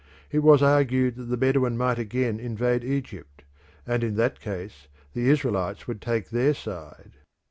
It was argued that the Bedouins might again invade Egypt, and in that case the Israelites would take their side.